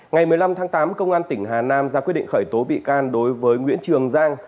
ngày một mươi năm tháng tám công an tỉnh hà nam ra quyết định khởi tố bị can đối với nguyễn trường giang